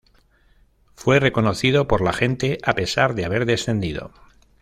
Fue reconocido por la gente a pesar de haber descendido.